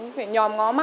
phải nhòm ngó mãi